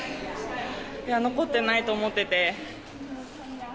残っていないと思ってて。